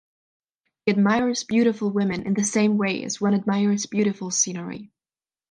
He admires beautiful women in the same way as one admires beautiful scenery.